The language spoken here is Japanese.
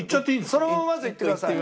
そのまままずいってください。